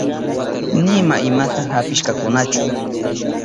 Nima imata apishkakunachu.